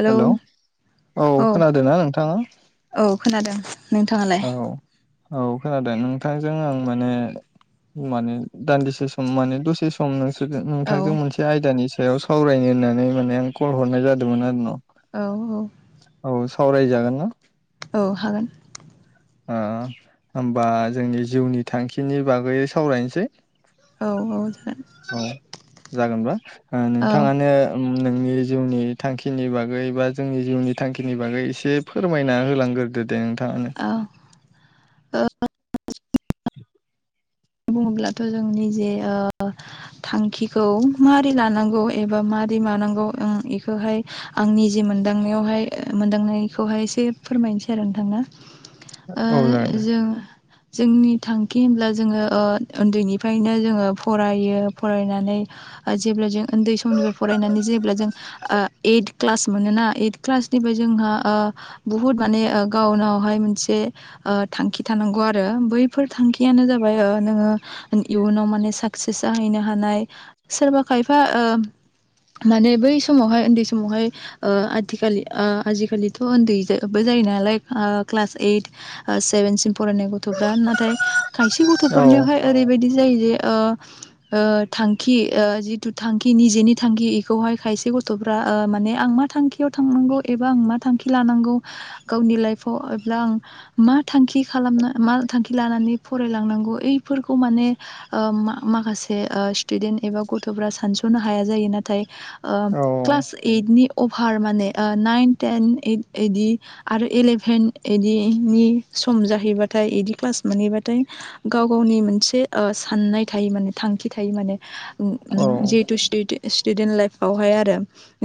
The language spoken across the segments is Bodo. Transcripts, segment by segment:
हेलौ औ खोनादों ना नोंथाङा औ खोनादों नोंथाङालाय औ औ खोनादों नोंथांजों आं माने माने दान्दिसे सम माने दसे सम नों थांजों औ नोंथांजों मोनसे आयदानि सायाव सावरायनो होननानै माने आं कल हरनाय जादोंमोन आरो न' औ औ औ सावरायजागोन ना औ हागोन ओं होमबा जोंनि जिउनि थांखिनि बागै सावरायनोसै औ औ जागोन औ जागोनबा ओ औ नोंथाङानो उम नोंनि जिउनि थांखिनि बागै बा जोंनि जिउनि थांखिनि बागै एसे फोरमायना होलांगोन होदो दे नोंथाङानो औ ओ बुङोब्लाथ' जोंनि जे ओ थांखिखौ मारै लानांगौ एबा मारै मानांगौ ओं इखौहाय आंनि जे मोन मोनदांनायावहाय ओ मोनदांनायखौहाय एसे फोरमायनोसै आरो नोंथांनो ओ औ जागोन दे जों जोंनि थांखि होनब्ला जोङो ओ उन्दैनिफ्रायनो जोङो फरायो फरायनानै ओ जेब्ला जों उन्दै समनिफ्राय फराय रायनानै जेब्ला जों एइट क्लास मोनो ना एइट क्लासनिफ्राय जोंहा ओ बुहुत मान ने ओ गावनावहाय मोनसे ओ थांखि थानांगौ आरो बैफोर थांखियानो जाबाय ओ नोङो इयुनाव माने साक्सेस जाहैनो हानाय सोरबा खायफा ओ माने बै समावहाय उन्दै समावहाय ओ आथिखाल ओ आजिखालिथ' ओन्दै जो बे जा जायो नालाय ओ क्लास एइट ओ सेभेनसिम फरायनाय गथ'फ्रा नाथाय खायस औ फोरनियावहाय ओरैबायदि जायो दि ओ ओ थांखि ओ जिथु थांखि निजेनि थांखि इखौहाय खायसे गथ' फ्रा ओ माने आं मा थांखियाव थांनांगौ एबा आं मा थांखि लानांगौ गावनि लाइफआव आं मा थांखि खालामनो मा थांखि लानानै फरायलांनांगौ ओइफोरखौ माने ओम मा माखासे ओ स्टुदेन्ट एबा गथ'फ्रा सानस'नो हाया जायो ना थाइ ओ औ क्लास ओइदनि अभार माने ओ नाइन टेनइ ओइद इदि आरो इलेभेन इदिनि सम जाहैबाथाय बिदि क्लास मोनहैबाथाय गाव गावनि मोनसे ओ साननाय थायो माने थांखि थायो माने उम औ उम जैहत स्टुद स्टुडेन्ट लाइफआवहाय आरो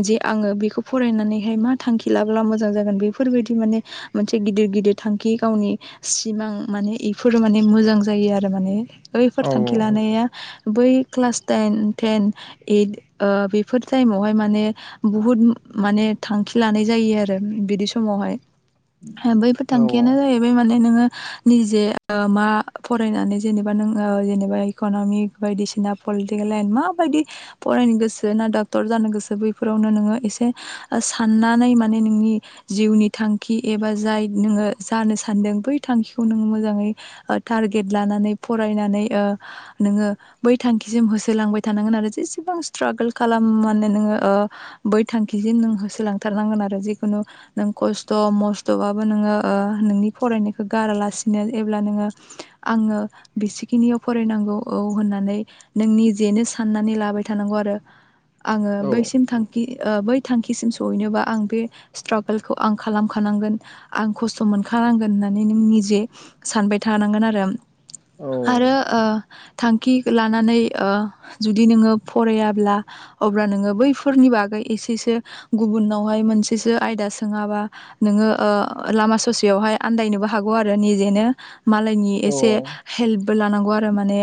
जे आङो बेखौ फरायनानैहाय मा थांखि लाबोब्ला मोजां जागोन बेफ फोरबायदि माने मोनसे गिदिर गिदिर थांखि गावनि सिमां माने इफोर माने मोजां जायो आरो माने बैफोर औ थांखि औ लानाया बै class time ten eight before टाइमावहाय माने बुहुद माने थांखि लानाय जायो आरो बिदि समावहाय बैफोर थांखियानो औ जाहैबाय माने नोङो निजे मा फरायनानै जेनेबा नोङो जेनेबा इक'नमिक बायदिसिना पलिटिकेल लाइन माबायदि फरायनो गोसो ना डाक्टर जानो गोसो बैफोरावनो नोङो एसे साननानै माने नोंनि जिउनि थांखि एबा जाय नोङो जानो सानदों बै थांखिखौ नोङो मोजाङै ओ टारगेट लानानै फरायनानै ओ नोङो बै थांखिसिम होसोलांबाय थानांगोन आरो जेसे गोबां स्ट्रागोल खालाम माने नोङो ओ बै थांखिसिम नों होसोलांथारनांगोन आरो जिखुनु नों खस्थ' मस्थ'बाबो नोङो ओ नोंनि फरायनायखौ गारालासिनो एब्ला नोङो लांदां आङो बिसेखिनियाव फरायनांगौ औ होननानै नोंनि जेनो साननानै लाबाय थानांगौ आरो आङो औ बैसिम थांखि ओ बै थांखिसिम सहैनोबा आं बे स्ट्रागोलखौ आं खालामखानांगोन आं खस्थ' मोनखानांगोन नानै नों निजे सानबाय थानांगोन आरो औ आरो ओ थांखि लानानै ओ जुदि नोङो फरायाब्ला अब्ला नोङो बैफोरनि बागै एसेबो गुबुनावहाय मोनसेसो आयदा सोङाबा नोङो ओ लामा ससेयाव बेहाय आनदायनोबो हागौ आरो निजेनो मालायनि औ एसे हेल्प ल्प लानांगौ आरो माने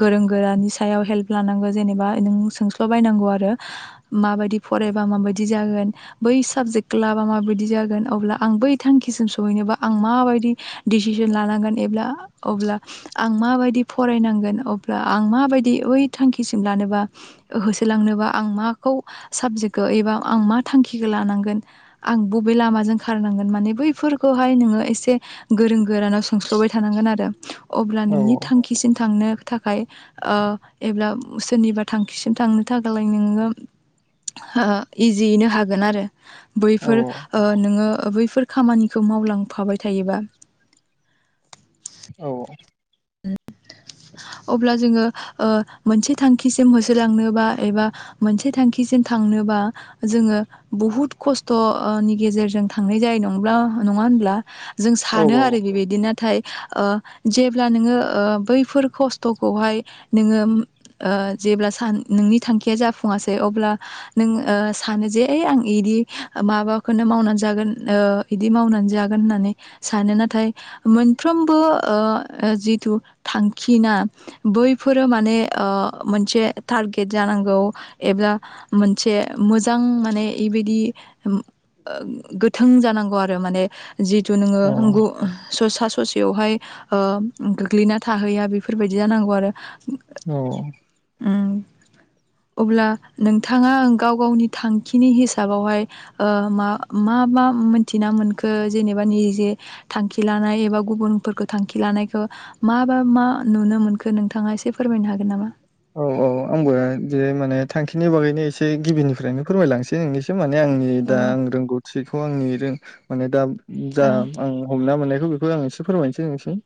गोरों गोरानि सायाव हेल्प लानांगौ जेनेबा नों सोंस्ल' बायनांगौ आरो माबायदि फरायबा माबायदि जागोन बै साबजेक्ट लाबा माबायदि जागोन अब्ला आं आं बै थांखिसिम सहैनोबो आं माबायदि डिसिसन लानांगोन एब्ला अब्ला आं माबायदि फरायनांगोन अब्ला आं माबायदि बै थांखिसिम लानानै मोबा होसोलांनोबा आं माखौ साबजेक्टखौ एबा आं मा थांखिखौ लानांगोन आं बबे लामाजों खारनांगोन माने बैफोरखौहाय नोङो एसे गोरों गोरानाव सोंस्ल'बाय थानांगोन आरो अब्ला औ नोंनि थांखिसिम थांनो थाखाय ओ एब्ला सोरनिबा थांखिसिम थांनो थाखायालाय नोङो ओह इजियैनो हागोन आरो औ बैफोर ओ नोङो ओ बैफोर खामानिखौ मावलांफाबाय थायोबा औ अब्ला जोङो ओ मोनसे थांखिसिम होसोलांनो बा एबा मोनसे थांखिसिम थांनोबा जोङो बुहुत खस्थ'ओनि गेजेरजों थांनाय जायो नब्ला न नङाहोनब्ला जों सानो आरो बेबादि नाथाय ओ जे ब्ला नोङो बैफोर खस्थ'खौहाय नोङो ओ जेब्ला सान नोंनि थां खिया जाफुङासै अब्ला नों ओ सानो जे ओइ आं बिदि माबाखौनो मावनानै जाग गोन ओ बिदि मावनानै जागोन होननानै सानो नाथाय मोनफ्रोमबो ओ ओ जिथु थांखिना बैफोरो माने ओ मोनसे टारगेट जानां नांगौ एबा मोनसे मोजां माने इबायदि ओ गोथों जानांगौ आरो माने जिहथु नोङो औ गु ससा ससेयावहाय ओ गोग्लैना थाहैया बेफोरबायदि जानांगौ आरो औ उम अब्ला नोंथाङा गाव गावनि थांखिनि हिसाबावहाय ओ मा मा मा मा मोनथिना मोनखो जेनेबा निजे थांखि लानाय एबा गुबुनफोरखौ थांखि लानायखौ मा बा मा नुनो मोनखो नोंथाङा एसे फोरमायनो हागोन नामा औ औ आंबो बे माने थांखिनि बागैनो एसे गिबिनिफ्रायनो फोरमायलांसै नोंनिसिम माने आंनि औ दा आं रोंगौथिखौ आंनि रो माने दा जा औ आं हमना मोननाय बेखौ आं एसे फोरमायनोसै नोंसिम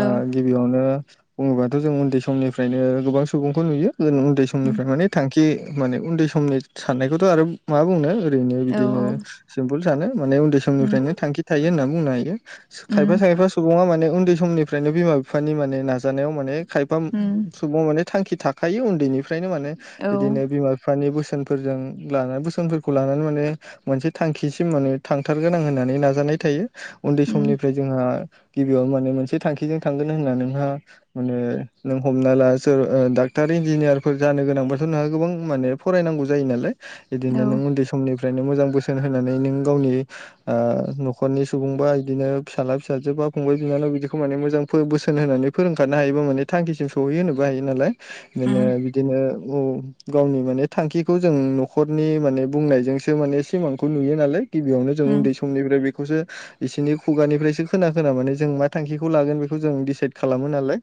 औ ओ गिबियावनो बुङोबाथ' जों उन्दै समनिफ्रायनो गोबां सुबुंखौ नुयो जों उन्दै उम समनिफ्राय माने थांखि खि माने उन्दै समनि साननायखौथ' आरो मा बुंनो ओरैनो औ बिदिनो सिम्पोल सानो माने उन्दै उम समनिफ्रायनो थांखि थायो होनना बुंनो हायो उम खायफा खायफा सुबुङा माने उन्दै समनिफ्रायनो बिमा बिफानि माने नाजानायाव माने खायफा उम सुबुं माने थांखि थाखायो उन्दैनिफ्रायनो माने औ बिदिनो बिमा बिफानि बोसो बोसोनफोरजों लाना बोसोनफोरखौ लानानै माने मोनसे थांखिसिम माने थांथारगोन आं होननानै नाजानाय थायो। उन्दै उम समनिफ्राय जोंहा गिबियाव माने मोनसे थांखिजों थांगोन होनना नोंहा ओ माने नों हमना ला जो ओ डाक्टार इन्जिनियारफोर जानो गोनांब्लाथ' नोंहा गोबां माने फरायनांगौ जायो नालाय। औ बिदिनो नों उम उन्दै समनि फ्रायनो मोजां बोसोन होनानै नों गावनि ओ न'खरनि सुबुं बा इदिनो फिसाला फिसाजो- फंबाय-बिनानाव बिदिखौ माने मोजां फो बोसोन होनानै फोरोंखानो हायोबा माने थांखिम सहैयो होनोबा हायो नालाय माने बिदिनो औ गावनि माने थांखिखौ जों न'खरनि माने बुंनायजोंसो माने सिमांखौ नुयो नालाय। गिबियावनो जों उम उन्दै समनिफ्राय बे बेखौसो बिसोरनि खुगानिफ्रायसो खोना खोना माने जों मा थांखिखौ लागोन बेखौ जों डिसाइद खालामो नालाय।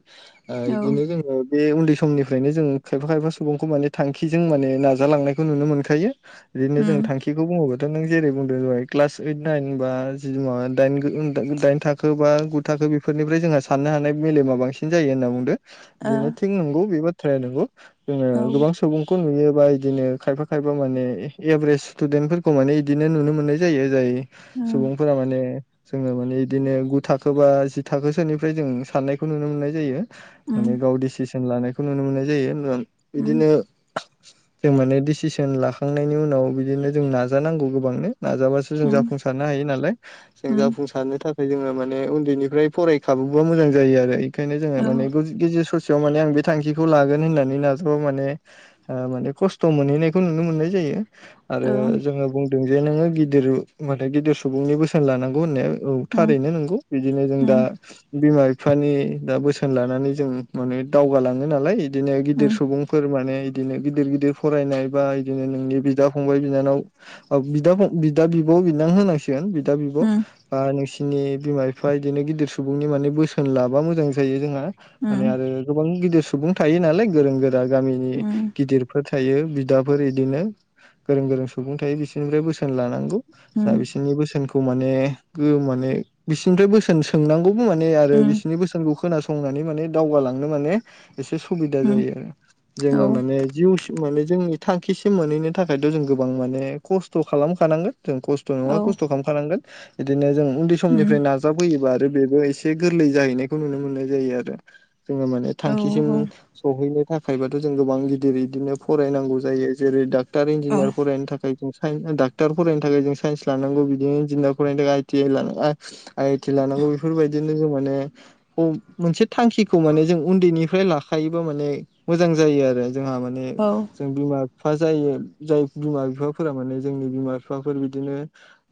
ओ औ उम इदिनो जोङो बे उन्दै समनिफ्रायनो जों खायफा खायफा सुबुंखौ माने थांखिजों माने नाजालांनायखौ नुनो मोनखायो। बिदिनो औ जों उम थांखिखौ बुङोब्ला- थ' नों जेरै बुंदों जाबाय क्लास ओइट नाइन बा जि इवा दाइन खोनो बुंनो था दाइन थाखो बा गु थाखो बेफोरनिफ्राय जोंहा साननो हानाय मेलेमा बांसिन जायो होनना बुंदों। ओ बिदिनो थिग नंगौ बे बाथ्राया नंगौ गोबां सुबुंखौ नुयो बा इदिनो खायफा खायफा माने एभारेज स्टुदेन्ट फोरफोरखौ माने इदिनो नुनो मोननाय जायो। जाय सुबुंफोरा माने जोङो माने इदिनो गु थाखो बा जि थाखोसोनिफ्राय जों साननायखौ नुनो मोनो। नाय जायो माने गाव डिसिसन लानायखौ नुनो मोननाय जायो। ओ उम बिदिनो जों माने डिसिसन लाखांनायनि उनाव बिदिनो जों नाजानांगौ गोबांनो। नाजाबासो जों जाफुंसारनो हायो नालाय। जों उम जाफुंसारनो थाखाय ओमफ्राय जोङो माने उन्दैनिफ्राय फरायखाबोबा मोजां जायो आरो इनखायनो जोङो औ माने गेजेर ससेयाव माने जे आं बे थांखिखौ लागोन होननानै नाजाबा' माने माने खस्थ' मोनहैनायखौ नुनो मोननाय जायो। आरो औ जोङो बुं जे नोङो गिदिर माने गिदिर सुबुंनि बोसोन लानांगौ होननाया औ उम थारैनो नोंगौ बिदिनो जों दा दा उम बिमा-बिफानि दा बोसोन लानानै जों माने दावगालाङो नालाय। इदिनो गिदिर उम सुबुंफोर माने बिदिनो गिदिर गिदिर फरायनाय बा बिदिनो नोंनि बिदा फंबाय-बिनानाव बिदा फं बिदा बिब बिनानै होनांसिगोन बिदा-बिब' उम बा नोंसि बिनि बिमा-बिफा इदिनो गिदिर सुबुंनि माने बोसोन लाबा मोजां जायो जोंहा उम माने आरो गोबां गिदिर सुबुं थायो नालाय गोरों-गोरा गामिनि उम गिदिरफोर थायो बिदाफोर इदिनो गोरों गोरों सुबुं थायो बिसोरनिफ्राय बोसोन लानांगौ। जा उम बिसोरनि बोसोनखौ माने गो माने बिसोरनिफ्राय बोसोन सोंनांगौ। माने आरो उम बिसनि बोसोनखौ खोनासंनानै माने दावगालांनो माने एसे सुबिदा उम जायो आरो औ जोङो माने जिउसिम माने जोंनि थांखिसिम मोनहैनो थाखायथ' जों गोबां माने खस्थ' खालामखानांगोन। जों खस्थ' नङा औ खस्थ' खालामखानांगोन बिदिनो जों उन्दै उम समनिफ्राय नाजाबोयोबा आरो बेबो एसे गोरलै जाहैनायखौ नुनो मोननाय जायो आरो। जोङो माने औ थांखिसिम औ सहैनो थाख थाखायबोथ' जों गोबां गिदिर इदिनो फरायनांगौ जायो जेरै डाक्टार औ इन्जिनियार फरायनो थाखाय जों डाक्टार फरायनो थाखाय जों साइन्स लानांगौ बिदिनो इन्जिनियार फरायनो थाखाय आइ टि आइ लानांग आइ आइ टि लानांगौ बेफोरबायदिनो जों माने मोनसे थांखि खौ माने जों उन्दैनिफ्राय लाखायोबा माने मोजां जायो आरो जोंहा माने जों बिमा बिफा जायो जाय बिमा-बिफाफोरा माने जोंनि बिमा-बिफाफोर बिदिनो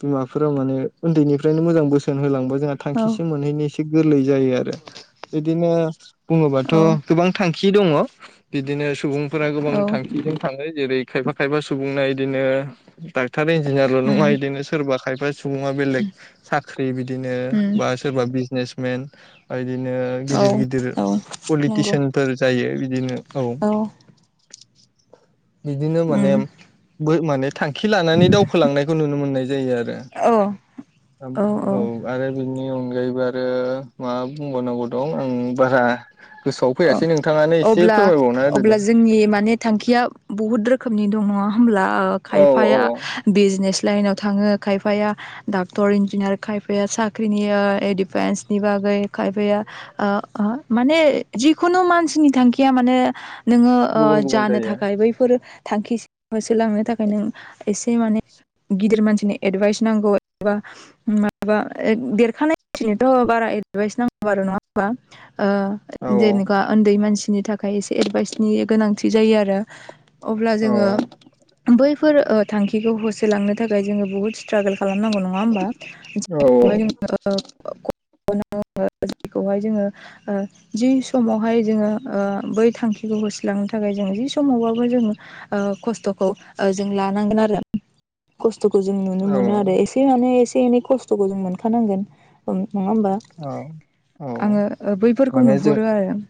बिमाफोरा माने उन्दैनिफ्रायनो मोजां बोसोन होलांबा जोंहा औ थांखिसिम मोनहैनो एसे गोरलै जायो आरो बिदिनो बुङोबाथ' औ गोबां थांखि थांखि दङ बिदिनो सुबुंफोरा गोबां औ थांखिजों थाङो जेरै खायफा खायफा सुबुंना इदिनो डक्टार इन्जिनियारल' नङा उम इदिनो सोरबा खायफा सुबुङा बेलेग साख्रि बिदिनो उम बा सोरबा बिजनेसमेन बिदिनो औ गिदिर गिदिर औ नंगौ पलिटिसियान फोर जायो बिदिनो औ बिदिनो माने उम बै माने थांखि लानानै दावखोलांनायखौ नुनो मोननाय जायो आरो। औ औ आरो बिनि अनगा यैबो आरो माबा बुंबावनांगौ दं आं बारा गोसोआव अ फैयासै नोंथाङानो एसे अब्ला फोरमायबावना होदो दे अब्ला जोंनि माने थांखिया बहुद रोखोमनि दङ होमब्ला औ औ खायफाया बिजनेस लाइनाव थाङो खायफाया डाक्टर इन्जिनियार खायफाया साख्रिनि डिफेन्सनि बागै खायफाया ओ माने जिखुनु मानसिनि थांखिया माने नोङो गुबुन गुबुन जानो जायो थाखाय बैफोर थांखिसिम होसोलांनो थाखाय नों एसे माने गिदिर मानसिनि एडभाइस नांगौ एबा माबा देरखानाय मानसिनिथ' बारा एडभाइस नांगौ आरो' नङा होमबा ओ औ जेनेका ओन्दै मानसिनि थाखाय एसे एडभाइसनि गोनांथि जायो आरो अब्ला औ जोङो बैफोर थांखिखौ होसोलांनो थाखाय जोङो बहुद स्ट्रागोल खालामनांगौ नङा होमबा औ जायखौहाय जोंओ [inaudible] [inaudible] जायखौहाय जोङो ओ जि समावहाय जोङो बै थांखिखौ होसलांनो थाखाय जोङो जि समावबाबो जोङो खस्थ'खौ जों लानांगोन आरो खस खस्थ'खौ जों नुनो औ मोनो आरो एसे माने एसे एनै खस्थ'खौ जों मोनखानांगोन नङा होमबा औ औ आङो बैफोरखौ माने जों नुहरो आरो।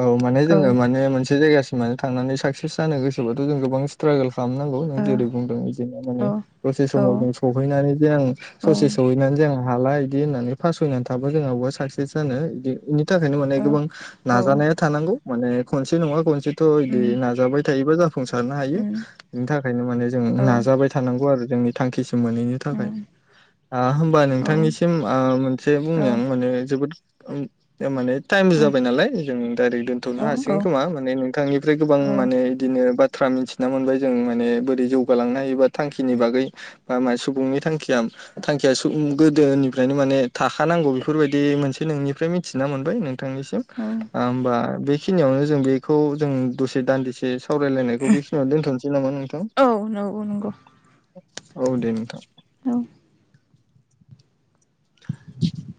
औ माने औ ओ जोङो माने मोनसे जायगासिम माने थांनानै साकसेस जानो गोसोबथ' जों गोबां स्ट्रागोल खालामनांगौ नों जेरै बुंदों बिदिनो माने औ दसे औ समाव जों सौहैनानै जे आं औ ससे सहैनानै जा हाला बिदि होननानै फासनानै थाबा जोंहा बा साक्सेस जानो बिदि बेनि थाखायनो माने औ गोबां औ नाजानाया थानांगौ माने खनसे नङा खनसेथ' बिदि उम नाजाबाय थायोबा जा जाफुंसारनो हायो उम बेनि थाखायनो माने जों औ नाजाबाय थानांगौ आरो जोंनि थांखिसि मोनहैनो थाखाय। उम होमबा औ नोंथांनिसिम मोनसे औ बुंनायाव माने जोबोद ओम थारमाने टाइमबो औ जाबाय नालाय जों डाइरेक्ट दोनथ'नो औ हासिगोन खोमा माने नोंथांनिफ्राय गोबां माने औ बिदिनो बाथ्रा मिथिना मोनबाय जों माने बोरै जौगालांनो हायोबा थांखिनि बागै बा मा सुबुंनि थांखि थांखिया गोदोनिफ्रायनो माने थाखानांगौ बेफोरबायदि मोनसे नोंनिफ्राय मिथिना मोन बाय नोंथांनिसिम आमबा बे खिनिआवनो जों बेखौ जों दसे दान्दिसे स सावरायलायनायखौ बेखिनिआवनो दोनथ'नोसै नामा नोंथां? औ नंगौ नंगौ औ दे नोंथां। औ [unintelligible]